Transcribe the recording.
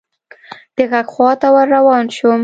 د ږغ خواته ور روان شوم .